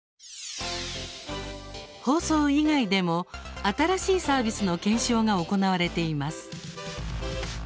放送以外でも新しいサービスの検証が行われています。